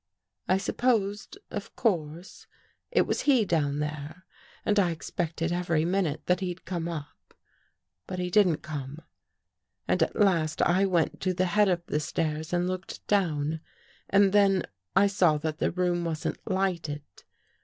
I sup posed, of course, it was he down there and I ex pected every minute that he'd come up. But he didn't come and at last I went to the head of the stairs and looked down. And then I saw that the room wasn't lighted.